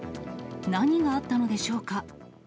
何があったのでしょうか。